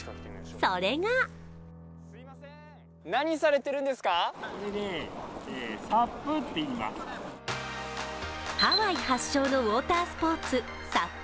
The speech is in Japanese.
それがハワイ発祥のウオータースポーツ、ＳＵＰ。